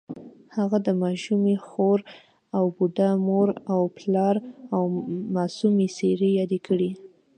هغه د ماشومې خور او بوډا مور او پلار معصومې څېرې یادې کړې